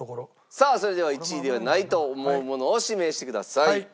さあそれでは１位ではないと思うものを指名してください。